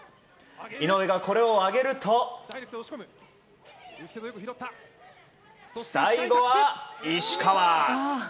井上がこれを上げると最後は、石川！